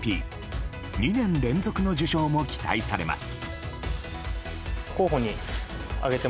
２年連続の受賞も期待されます。